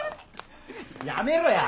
やめろや！